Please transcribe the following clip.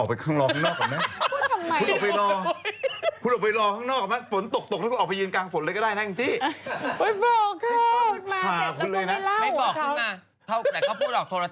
พี่แอฟก็ถามว่าอุ๊ยเอ็งจี้มีข่าวนี้ด้วยเหรอ